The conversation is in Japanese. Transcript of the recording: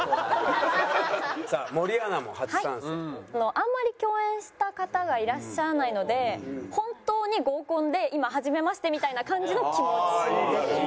あんまり共演した方がいらっしゃらないので本当に合コンで今はじめましてみたいな感じの気持ちです。